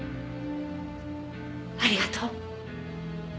ありがとう。